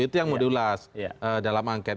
itu yang mau diulas dalam angket